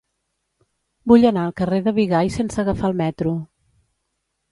Vull anar al carrer de Bigai sense agafar el metro.